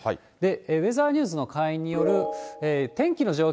ウェザーニューズの会員による天気の状況